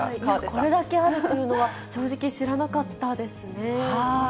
これだけあるっていうのは、正直知らなかったですね。